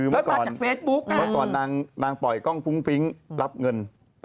เมื่อก่อนนางปล่อยกล้องฟุ้งฟิ้งรับเงิน